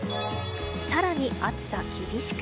更に暑さ厳しく。